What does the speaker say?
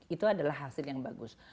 itu adalah hasil yang bagus